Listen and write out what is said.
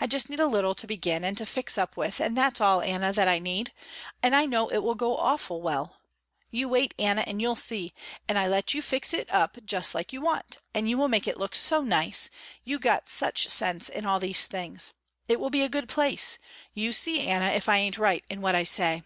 I just need a little to begin and to fix up with and that's all Anna that I need, and I know it will go awful well. You wait Anna and you'll see, and I let you fix it up just like you want, and you will make it look so nice, you got such sense in all these things. It will be a good place. You see Anna if I ain't right in what I say."